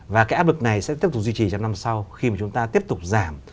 và cái áp lực này sẽ tiếp tục duy trì trong năm sau khi mà chúng ta tiếp tục giảm